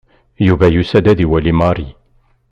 Yuba yusa-d ad iwali Mary.